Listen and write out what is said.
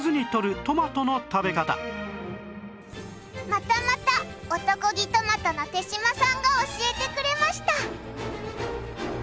またまた男気トマトの手島さんが教えてくれました。